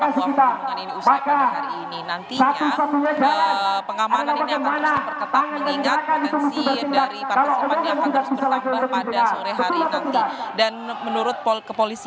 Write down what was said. bagaimana aksi di depan kpu